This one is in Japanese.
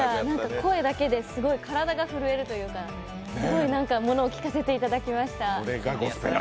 声だけで、すごい体が震えるというか、すごいものを聴かせていただきました。